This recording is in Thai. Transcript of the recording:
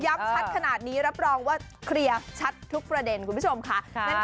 ชัดขนาดนี้รับรองว่าเคลียร์ชัดทุกประเด็นคุณผู้ชมค่ะ